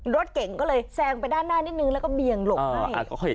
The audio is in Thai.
รถเก่งก็เลยแซงไปด้านหน้านิดนึงแล้วก็เบี่ยงหลบ